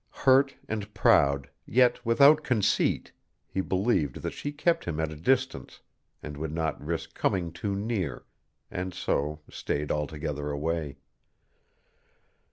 Hurt and proud, yet without conceit, he believed that she kept him at a distance, and would not risk coming too near, and so stayed altogether away.